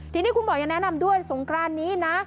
ทีนี้คุณหมอยังแนะนำด้วยสงกรานนี้นะ